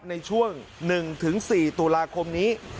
ในช่วง๑๔ตุลาคมนี้